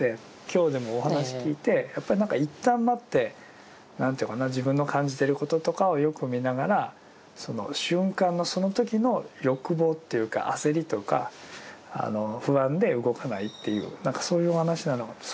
今日でもお話聞いてやっぱりいったん待って何ていうかな自分の感じてることとかをよく見ながらその瞬間のその時の欲望というか焦りとか不安で動かないという何かそういうお話なのかと。